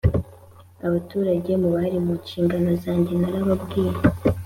abaturage mubari minshingano zanjye narababwiye